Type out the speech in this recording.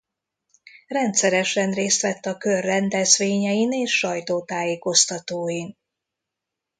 Rendszeresen részt vett a kör rendezvényein és sajtótájékoztatóin.